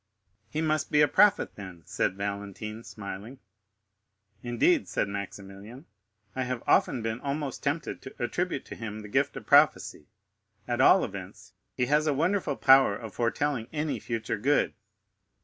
"He must be a prophet, then," said Valentine, smiling. "Indeed," said Maximilian, "I have often been almost tempted to attribute to him the gift of prophecy; at all events, he has a wonderful power of foretelling any future good."